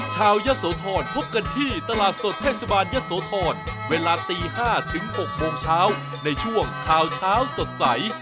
ยะโสธรพบกันที่ตลาดสดเทศบาลยะโสธรเวลาตี๕ถึง๖โมงเช้าในช่วงข่าวเช้าสดใส